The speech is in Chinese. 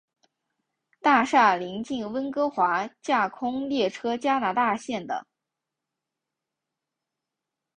大厦邻近温哥华架空列车加拿大线的。